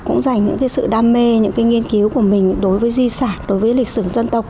cũng dành những sự đam mê những cái nghiên cứu của mình đối với di sản đối với lịch sử dân tộc